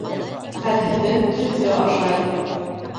Хәлһеҙен төлкө ашай.